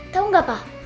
tau gak pak